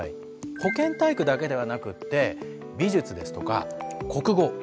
保健体育だけではなくって美術ですとか国語。